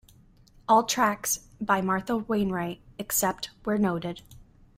All tracks by Martha Wainwright except where noted.